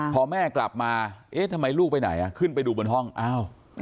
พอแม่กลับมาเอ๊ะทำไมลูกไปไหนอ่ะขึ้นไปดูบนห้องอ้าว